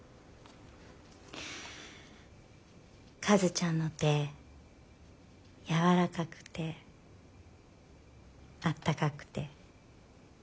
カズちゃんの手柔らかくてあったかくて。